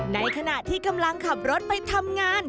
ในขณะที่กำลังขับรถไปทำงาน